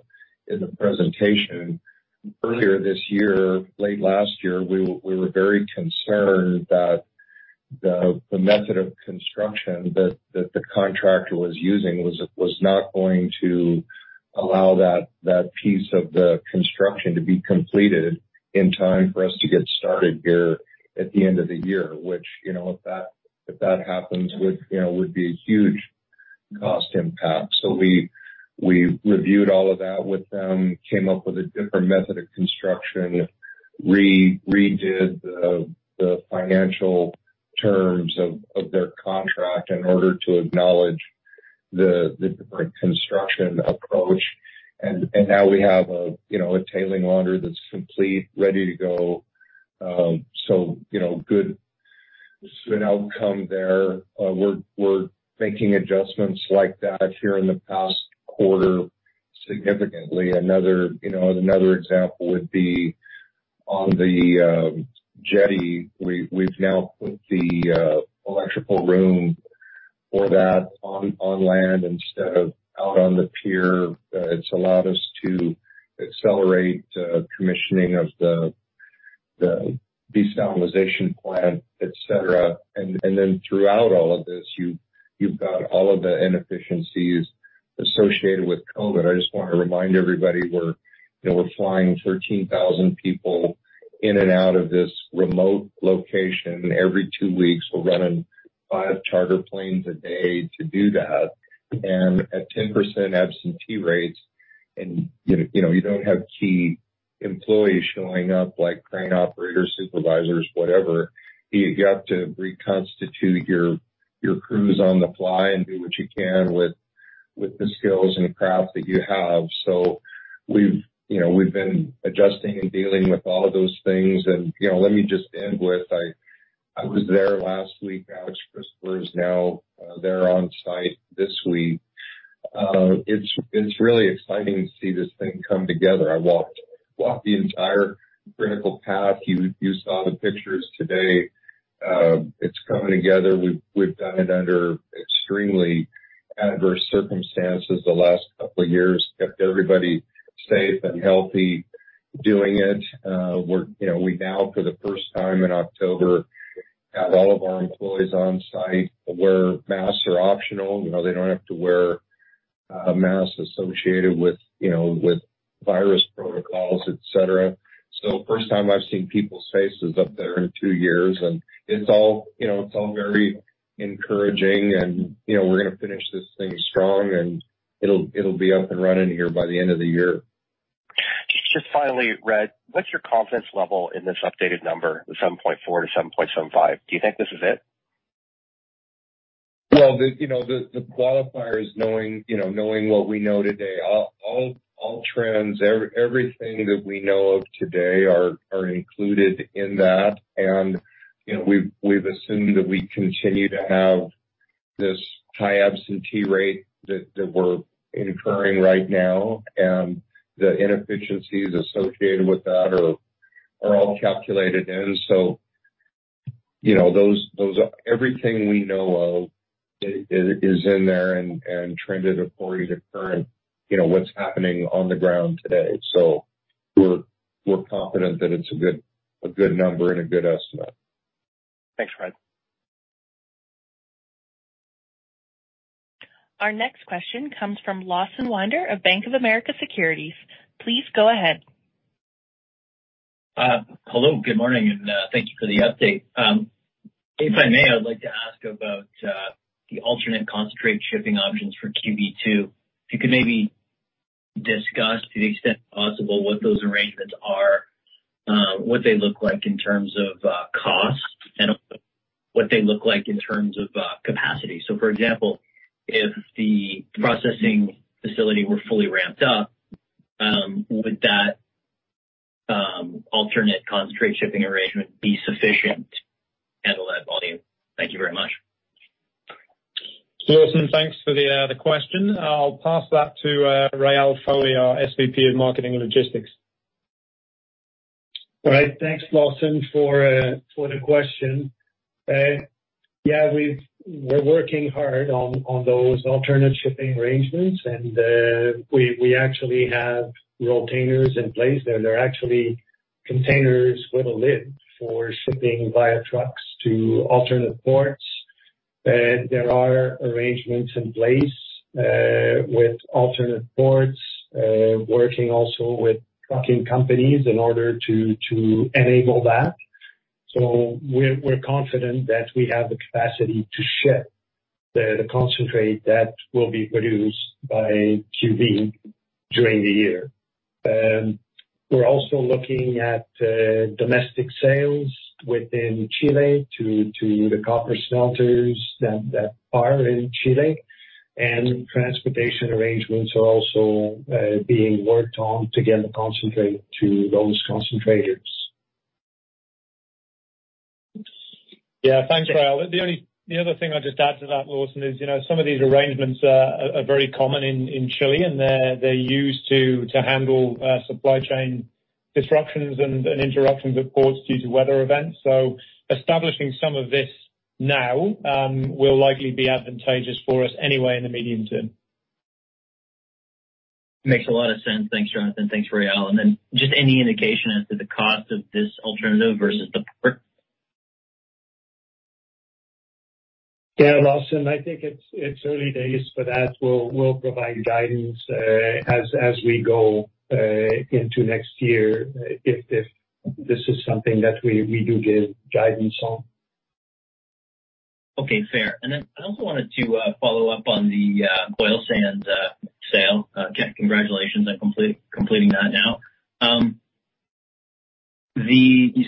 presentation. Earlier this year, late last year, we were very concerned that the method of construction that the contractor was using was not going to allow that piece of the construction to be completed in time for us to get started here at the end of the year, which, you know, if that happens would, you know, would be a huge cost impact. We reviewed all of that with them. Came up with a different method of construction. Redid the financial terms of their contract in order to acknowledge the different construction approach. Now we have a, you know, a tailings launder that's complete, ready to go. You know, good, it's a good outcome there. We're making adjustments like that here in the past quarter significantly. Another, you know, example would be on the jetty, we've now put the electrical room for that on land instead of out on the pier. It's allowed us to accelerate commissioning of the desalination plant, et cetera. Then throughout all of this, you've got all of the inefficiencies associated with COVID. I just wanna remind everybody we're, you know, flying 13,000 people in and out of this remote location every two weeks. We're running five charter planes a day to do that. At 10% absentee rates and, you know, you don't have key employees showing up, like crane operators, supervisors, whatever, you've got to reconstitute your crews on the fly and do what you can with the skills and craft that you have. We've, you know, been adjusting and dealing with all of those things. Let me just end with I was there last week. Alex Christopher is now there on site this week. It's really exciting to see this thing come together. I walked the entire critical path. You saw the pictures today. It's coming together. We've done it under extremely adverse circumstances the last couple of years. Kept everybody safe and healthy doing it. We're, you know, we now for the first time in October have all of our employees on site where masks are optional. You know, they don't have to wear masks associated with, you know, with virus protocols, et cetera. First time I've seen people's faces up there in two years, and it's all, you know, very encouraging. You know, we're gonna finish this thing strong, and it'll be up and running here by the end of the year. Just finally, Red, what's your confidence level in this updated number, the 7.4%-7.75%? Do you think this is it? Well, you know, the qualifier is knowing what we know today. All trends, everything that we know of today are included in that. You know, we've assumed that we continue to have this high absentee rate that we're incurring right now, and the inefficiencies associated with that are all calculated in. You know, everything we know of is in there and trended according to current, you know, what's happening on the ground today. We're confident that it's a good number and a good estimate. Thanks, Red. Our next question comes from Lawson Winder of Bank of America Securities. Please go ahead. Hello, good morning, and thank you for the update. If I may, I'd like to ask about the alternate concentrate shipping options for QB2. If you could maybe discuss to the extent possible what those arrangements are, what they look like in terms of capacity. For example, if the processing facility were fully ramped up, would that alternate concentrate shipping arrangement be sufficient to handle that volume? Thank you very much. Lawson, thanks for the question. I'll pass that to Réal Foley, our SVP of Marketing and Logistics. Right. Thanks, Lawson, for the question. Yeah, we're working hard on those alternate shipping arrangements, and we actually have Rotainers in place. They're actually containers with a lid for shipping via trucks to alternate ports. There are arrangements in place with alternate ports, working also with trucking companies in order to enable that. We're confident that we have the capacity to ship the concentrate that will be produced by QB during the year. We're also looking at domestic sales within Chile to the copper smelters that are in Chile, and transportation arrangements are also being worked on to get the concentrate to those concentrators. Yeah. Thanks, Réal. The other thing I'll just add to that, Lawson, is, you know, some of these arrangements are very common in Chile, and they're used to handle supply chain disruptions and interruptions at ports due to weather events. Establishing some of this now will likely be advantageous for us anyway in the medium term. Makes a lot of sense. Thanks, Jonathan. Thanks, Réal. Just any indication as to the cost of this alternative versus the port? Yeah. Lawson, I think it's early days for that. We'll provide guidance as we go into next year if this is something that we do give guidance on. Okay. Fair. Then I also wanted to follow up on the oil sands sale. Again, congratulations on completing that now. So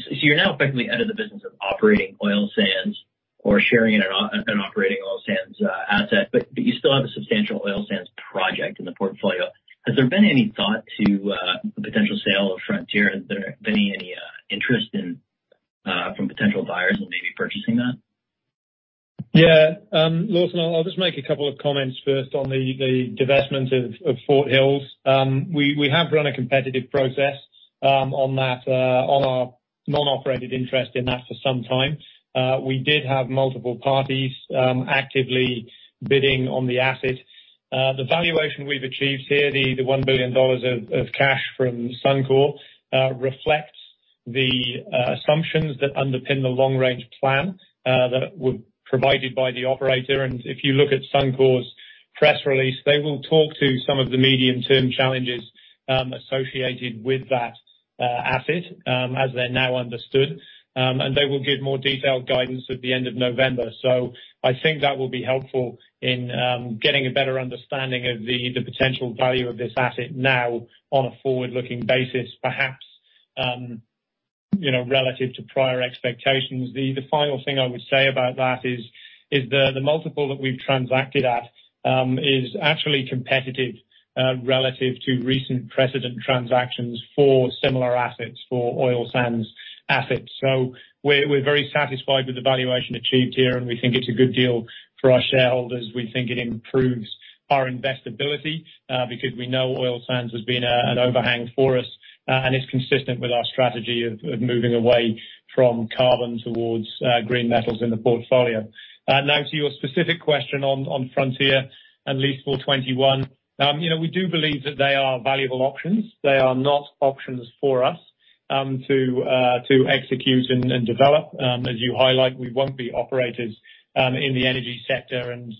you're now effectively out of the business of operating oil sands or sharing in an operating oil sands asset, but you still have a substantial oil sands project in the portfolio. Has there been any thought to the potential sale of Frontier? Has there been any interest from potential buyers in maybe purchasing that? Yeah. Lawson, I'll just make a couple of comments first on the divestment of Fort Hills. We have run a competitive process on that, on our non-operated interest in that for some time. We did have multiple parties actively bidding on the asset. The valuation we've achieved here, the 1 billion dollars of cash from Suncor, reflects the assumptions that underpin the long-range plan that were provided by the operator. If you look at Suncor's press release, they will talk to some of the medium-term challenges associated with that asset as they're now understood. They will give more detailed guidance at the end of November. I think that will be helpful in getting a better understanding of the potential value of this asset now on a forward-looking basis, perhaps, you know, relative to prior expectations. The final thing I would say about that is the multiple that we've transacted at is actually competitive relative to recent precedent transactions for similar assets, for oil sands assets. We're very satisfied with the valuation achieved here, and we think it's a good deal for our shareholders. We think it improves our investability because we know oil sands has been an overhang for us, and it's consistent with our strategy of moving away from carbon towards green metals in the portfolio. Now to your specific question on Frontier and Lease 421. You know, we do believe that they are valuable options. They are not options for us to execute and develop. As you highlight, we won't be operators in the energy sector and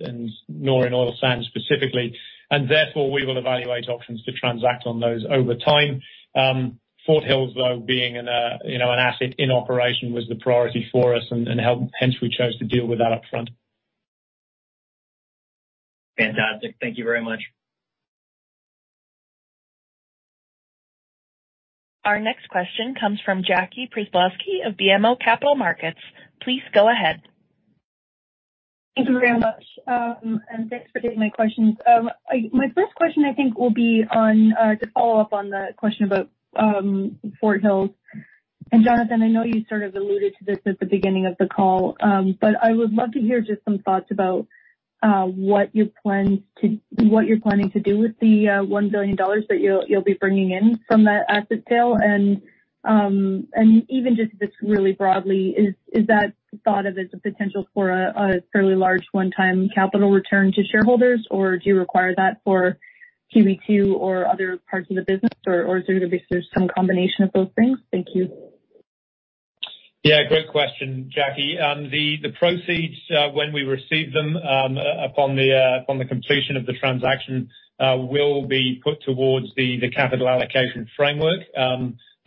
nor in oil sands specifically. Therefore, we will evaluate options to transact on those over time. Fort Hills though, being in a you know an asset in operation was the priority for us and hence we chose to deal with that upfront. Fantastic. Thank you very much. Our next question comes from Jackie Przybylowski of BMO Capital Markets. Please go ahead. Thank you very much. Thanks for taking my questions. My first question, I think, will be on to follow up on the question about Fort Hills. Jonathan, I know you sort of alluded to this at the beginning of the call, but I would love to hear just some thoughts about what you're planning to do with the 1 billion dollars that you'll be bringing in from that asset sale. Even just if it's really broadly, is that thought of as a potential for a fairly large one-time capital return to shareholders, or do you require that for QB2 or other parts of the business, or is there gonna be some combination of both things? Thank you. Yeah. Great question, Jackie. The proceeds, when we receive them, upon the completion of the transaction, will be put towards the capital allocation framework.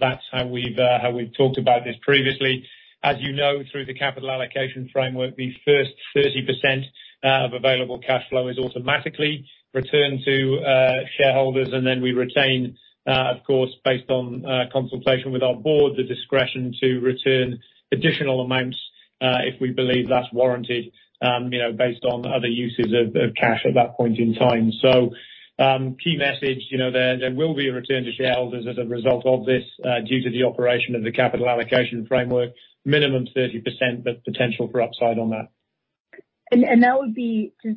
That's how we've talked about this previously. As you know, through the capital allocation framework, the first 30% of available cash flow is automatically returned to shareholders, and then we retain, of course, based on consultation with our board, the discretion to return additional amounts if we believe that's warranted, you know, based on other uses of cash at that point in time. Key message, you know, there will be a return to shareholders as a result of this, due to the operation of the capital allocation framework. Minimum 30%, but potential for upside on that. Just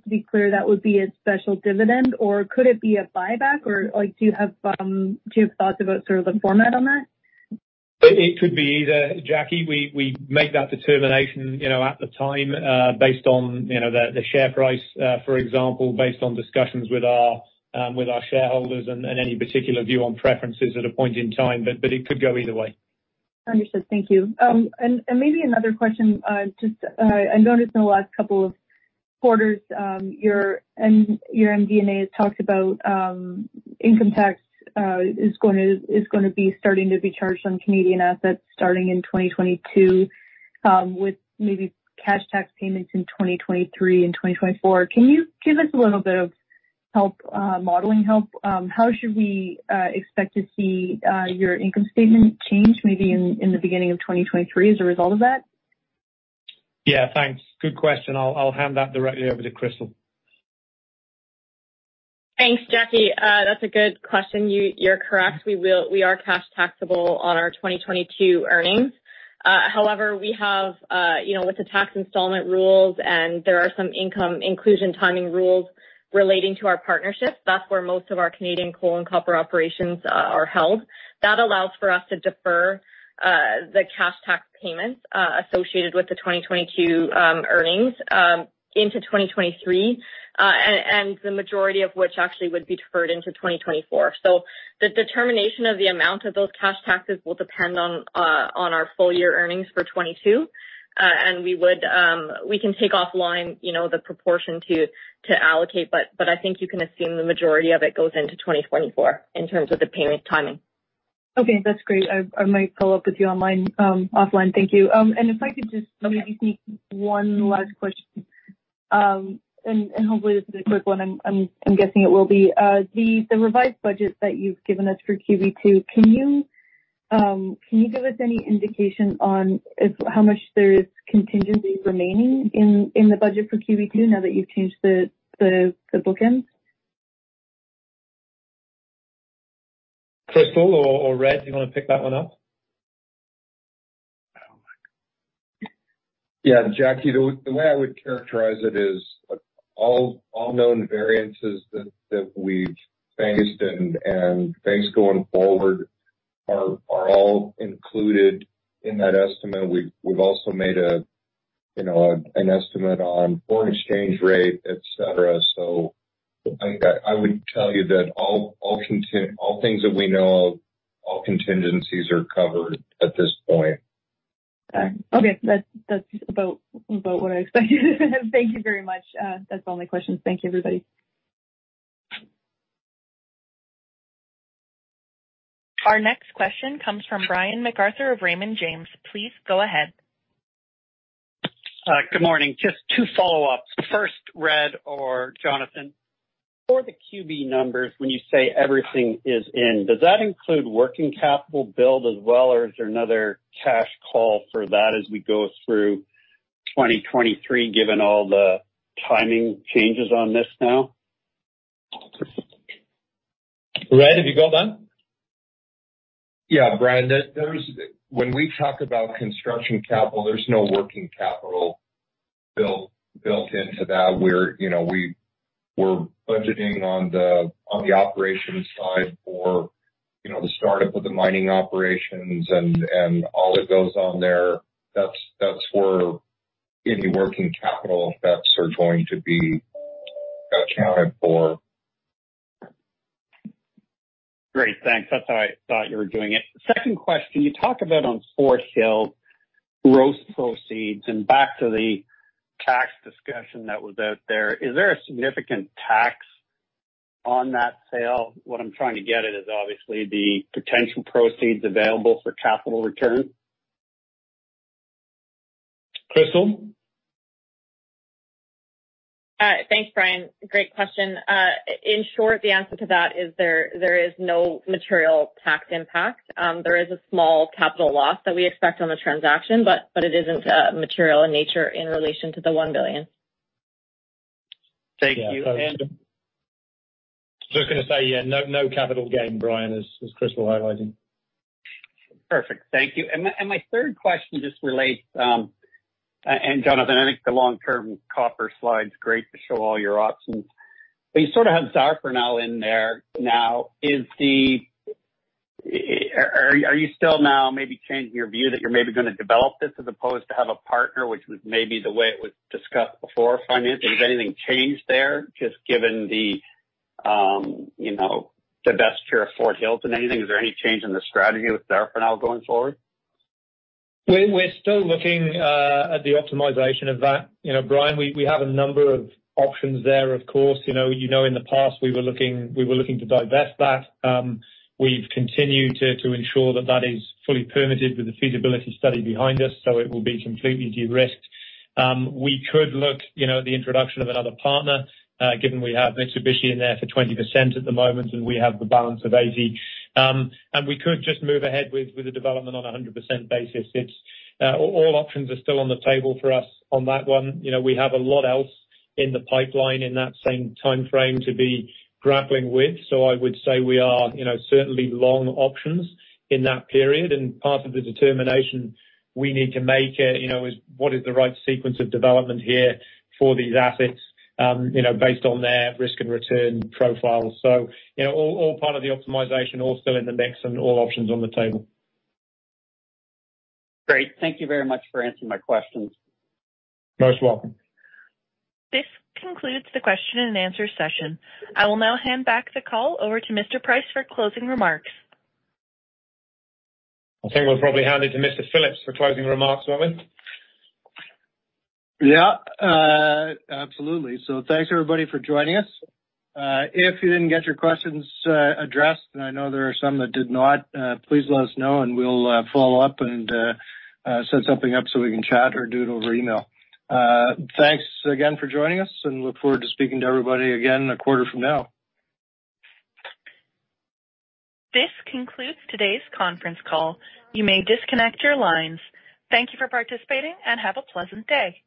to be clear, that would be a special dividend or could it be a buyback or like do you have thoughts about sort of the format on that? It could be either, Jackie. We make that determination, you know, at the time, based on, you know, the share price, for example, based on discussions with our shareholders and any particular view on preferences at a point in time. It could go either way. Understood. Thank you. Maybe another question. I noticed in the last couple of quarters, your MD&A has talked about income tax is gonna be starting to be charged on Canadian assets starting in 2022, with maybe cash tax payments in 2023 and 2024. Can you give us a little bit of help, modeling help? How should we expect to see your income statement change maybe in the beginning of 2023 as a result of that? Yeah, thanks. Good question. I'll hand that directly over to Crystal. Thanks, Jackie. That's a good question. You're correct. We are cash taxable on our 2022 earnings. However, we have, you know, with the tax installment rules, and there are some income inclusion timing rules relating to our partnerships, that's where most of our Canadian coal and copper operations are held. That allows for us to defer the cash tax payments associated with the 2022 earnings into 2023, and the majority of which actually would be deferred into 2024. The determination of the amount of those cash taxes will depend on our full year earnings for 2022. We can take offline, you know, the proportion to allocate, but I think you can assume the majority of it goes into 2024 in terms of the payment timing. Okay. That's great. I might follow up with you online, offline. Thank you. If I could just maybe sneak one last question. Hopefully this is a quick one. I'm guessing it will be. The revised budget that you've given us for QB2, can you give us any indication on if how much there is contingency remaining in the budget for QB2 now that you've changed the bookends? Crystal or Red, do you wanna pick that one up? Yeah. Jackie, the way I would characterize it is all known variances that we've faced and faced going forward are all included in that estimate. We've also made a, you know, an estimate on foreign exchange rate, et cetera. I would tell you that all things that we know, all contingencies are covered at this point. All right. Okay. That's about what I expected. Thank you very much. That's all my questions. Thank you, everybody. Our next question comes from Brian MacArthur of Raymond James. Please go ahead. Good morning. Just two follow-ups. First, Red or Jonathan, for the QB numbers, when you say everything is in, does that include working capital build as well, or is there another cash call for that as we go through 2023, given all the timing changes on this now? Red, have you got that? Yeah. Brian, when we talk about construction capital, there's no working capital built into that. We're, you know, we're budgeting on the operations side for, you know, the startup of the mining operations and all that goes on there. That's where any working capital effects are going to be accounted for. Great. Thanks. That's how I thought you were doing it. Second question, you talk about on Fort Hills gross proceeds, and back to the tax discussion that was out there, is there a significant tax on that sale? What I'm trying to get at is obviously the potential proceeds available for capital return. Crystal? Thanks, Brian. Great question. In short, the answer to that is there is no material tax impact. There is a small capital loss that we expect on the transaction, but it isn't material in nature in relation to 1 billion. Thank you. Just gonna say, yeah, no capital gain, Brian, as Crystal highlighted. Perfect. Thank you. My third question just relates, Jonathan, I think the long-term copper slide's great to show all your options, but you sort of have Zafranal in there now. Are you still now maybe changing your view that you're maybe gonna develop this as opposed to have a partner, which was maybe the way it was discussed before financially? Has anything changed there, just given the, you know, divestiture of Fort Hills and anything? Is there any change in the strategy with Zafranal now going forward? We're still looking at the optimization of that. You know, Brian, we have a number of options there, of course. You know, in the past, we were looking to divest that. We've continued to ensure that is fully permitted with the feasibility study behind us, so it will be completely de-risked. We could look, you know, at the introduction of another partner, given we have Mitsubishi in there for 20% at the moment, and we have the balance of 80%. We could just move ahead with the development on a 100% basis. All options are still on the table for us on that one. You know, we have a lot else in the pipeline in that same timeframe to be grappling with. I would say we are, you know, certainly long options in that period. Part of the determination we need to make, you know, is what is the right sequence of development here for these assets, you know, based on their risk and return profile. You know, all part of the optimization, all still in the mix, and all options on the table. Great. Thank you very much for answering my questions. Most welcome. This concludes the question and answer session. I will now hand back the call over to Mr. Price for closing remarks. I think we'll probably hand it to Mr. Phillips for closing remarks, won't we? Yeah, absolutely. Thanks, everybody, for joining us. If you didn't get your questions addressed, and I know there are some that did not, please let us know, and we'll follow up and set something up so we can chat or do it over email. Thanks again for joining us, and look forward to speaking to everybody again a quarter from now. This concludes today's conference call. You may disconnect your lines. Thank you for participating, and have a pleasant day.